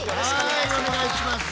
はいお願いします。